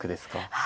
はい。